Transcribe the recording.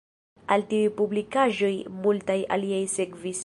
Al tiuj publikigaĵoj multaj aliaj sekvis.